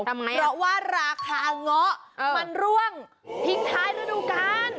เพราะว่าราคาง้อมันร่วงพิ้งท้ายฤดูกาน